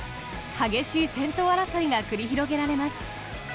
激しい先頭争いが繰り広げられます。